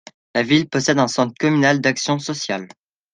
La ville possède un Centre communal d'action sociale.